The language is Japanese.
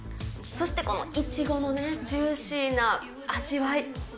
そして、このいちごのね、ジューシーな味わい。